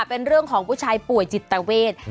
เป็นเรื่องของผู้ชายป่วยจิตเวท